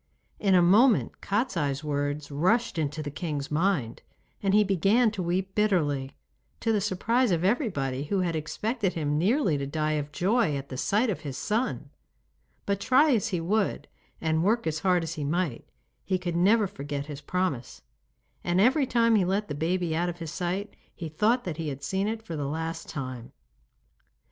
In a moment Kostiei's words rushed into the king's mind, and he began to weep bitterly, to the surprise of everybody, who had expected him nearly to die of joy at the sight of his son. But try as he would and work as hard as he might he could never forget his promise, and every time he let the baby out of his sight he thought that he had seen it for the last time.